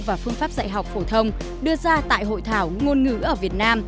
và phương pháp dạy học phổ thông đưa ra tại hội thảo ngôn ngữ ở việt nam